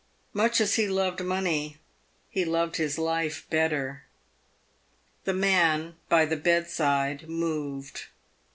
Much as he loved money, he loved his life better. The man by the bedside moved.